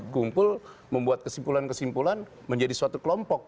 kumpul membuat kesimpulan kesimpulan menjadi suatu kelompok